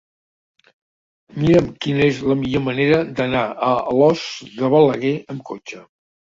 Mira'm quina és la millor manera d'anar a Alòs de Balaguer amb cotxe.